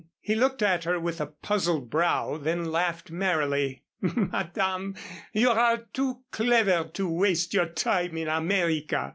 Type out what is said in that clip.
He looked at her with a puzzled brow, then laughed merrily. "Madame, you are too clever to waste your time in America."